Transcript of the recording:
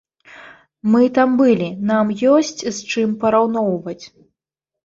Мы там былі, нам ёсць з чым параўноўваць.